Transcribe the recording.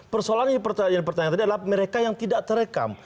persoalan pertanyaan tadi adalah mereka yang tidak terekam